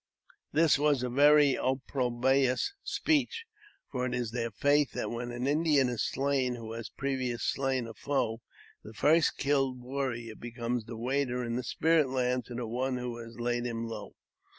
This was a very opprobrious speech, for it is their faith that when an Indian is slain who has previously slain a foe, the first killed warrior becomes waiter in the spirit land to the one who had laid him low.